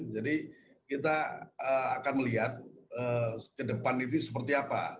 jadi kita akan melihat ke depan itu seperti apa